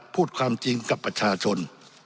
พูดความจริงกับประชาชน